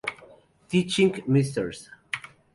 Teaching Mrs.